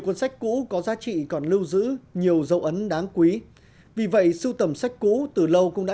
cuốn sách cũ có giá trị còn lưu giữ nhiều dấu ấn đáng quý vì vậy sưu tầm sách cũ từ lâu cũng đã